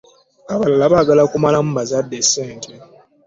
Abalala bagala kukamula mu bazadde ssente.